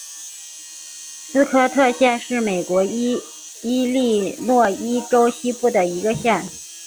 斯科特县是美国伊利诺伊州西部的一个县。